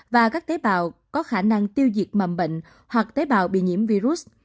và các tế bào có khả năng tiêu diệt mầm bệnh hoặc tế bào bị nhiễm virus